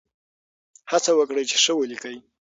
هڅه وکړئ چې ښه ولیکئ.